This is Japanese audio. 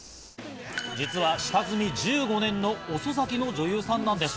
実は下積み１５年の遅咲きの女優さんなんです。